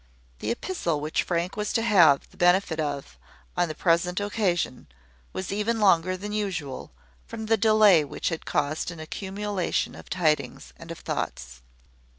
The epistle which Frank was to have the benefit of, on the present occasion, was even longer than usual, from the delay which had caused an accumulation of tidings and of thoughts.